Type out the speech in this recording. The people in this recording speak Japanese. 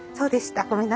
ごめんなさい。